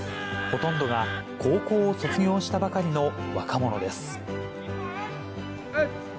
ほとんどが高校を卒業したばかりの若者です。